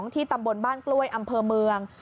ที่ตำบลบ้านกล้วยอำเภอเมือง